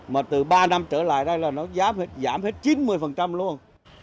mà từ ba năm trở lại đây là nó giá giảm hết chín mươi luôn